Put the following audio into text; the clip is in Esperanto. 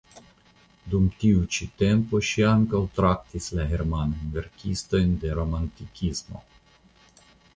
Dum tiu ĉi tempo ŝi ankaŭ traktis la germanajn verkistojn de romantikismo.